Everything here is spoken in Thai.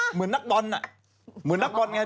เหมือนนักบอลน่ะเหมือนนักบอลไง